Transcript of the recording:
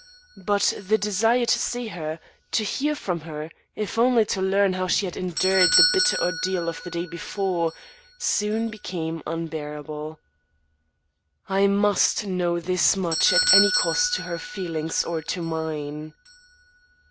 But the desire to see her, to hear from her if only to learn how she had endured the bitter ordeal of the day before soon became unbearable. I must know this much at any cost to her feelings or to mine.